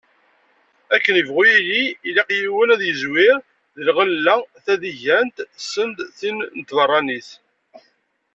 Akken yebɣu yili, ilaq yiwen ad yezwir deg lɣella tadigant, send tin n tbeṛṛanit.